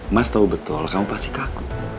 mas tahu betul kamu pasti kaku